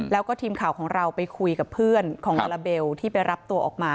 แล้วก็ทีมข่าวของเราไปคุยกับเพื่อนของลาลาเบลที่ไปรับตัวออกมา